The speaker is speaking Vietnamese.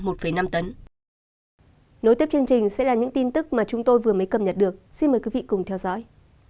nối tiếp chương trình sẽ là những tin tức mà chúng tôi vừa mới cập nhật được xin mời quý vị cùng theo dõi